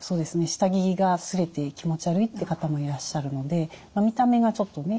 下着が擦れて気持ち悪いって方もいらっしゃるので見た目がちょっとね